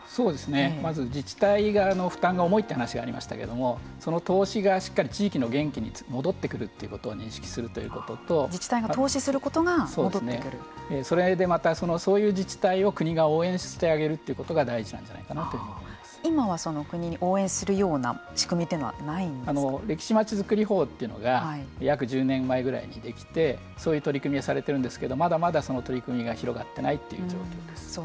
まず自治体が負担が重いという話がありましたけれどもその投資がしっかり地域の元気に戻ってくるということを自治体がそれでまたそういう自治体を国が応援してあげるということが今は国に応援するような歴史まちづくり法というのが約１０年前ぐらいにできてそういう取り組みはされているんですけどまだまだその取り組みが広がっていない状況です。